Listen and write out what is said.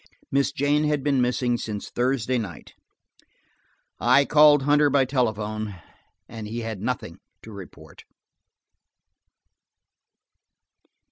Miss Jane had been missing since Thursday night. I called Hunter by telephone, and he had nothing to report.